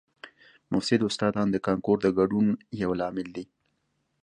مفسد استادان د کانکور د ګډوډۍ یو لامل دي